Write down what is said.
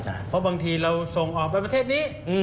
เพราะบางทีเราส่งออกไปประเทศนี้